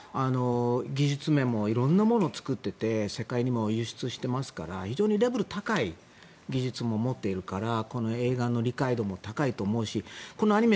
技術面も色んなものを作っていて世界にも輸出していますから非常にレベルが高い技術も持っているからこの映画の理解度も高いと思うしこのアニメ